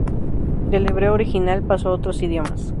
Del hebreo original pasó a otros idiomas.